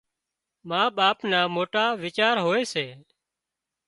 ما ٻاپ نا موٽا ويچار هوئي سي